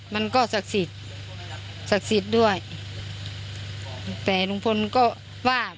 มันก็ศักดิ์สิทธิ์ศักดิ์สิทธิ์ด้วยแต่ลุงพลก็ว่า